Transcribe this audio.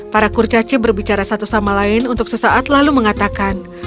para kurcaci berbicara satu sama lain untuk sesaat lalu mengatakan